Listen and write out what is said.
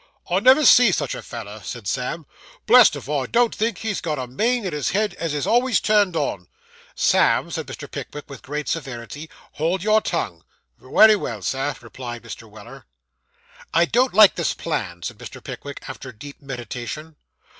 'I never see such a feller,' said Sam, 'Blessed if I don't think he's got a main in his head as is always turned on.' 'Sam,' said Mr. Pickwick, with great severity, 'hold your tongue.' 'Wery well, sir,' replied Mr. Weller. 'I don't like this plan,' said Mr. Pickwick, after deep meditation.